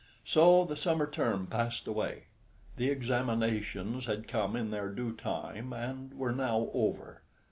So the summer term passed away. The examinations had come in their due time, and were now over.